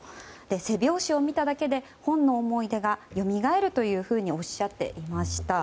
背表紙を見ただけで本の思い出がよみがえるとおっしゃっていました。